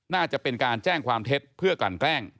น่าจะเป็นการแจ้งความเท็จเพื่อกลั่นแกล้ง